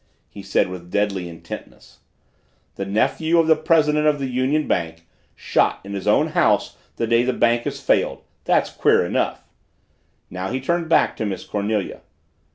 he said with deadly intentness. "The nephew of the president of the Union Bank shot in his own house the day the bank has failed that's queer enough " Now he turned back to Miss Cornelia.